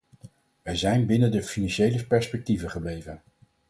Wij zijn binnen de financiële perspectieven gebleven.